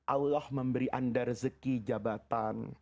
allah memberi anda rezeki jabatan